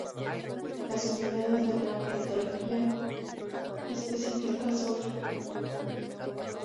Las unidades de la entalpía específica son.